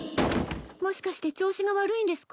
もしかして調子が悪いんですか？